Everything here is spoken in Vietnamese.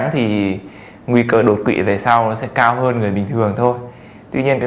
thì nguy cơ đột quỵ về sau nó sẽ cao hơn người bình thường thôi tuy nhiên cái